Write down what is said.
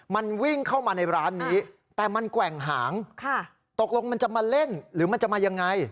มันวิ่งเข้ามาในร้านนี้แต่มันแกว่งหางตกลงมันจะมาเล่นหรือมันจะมายังไง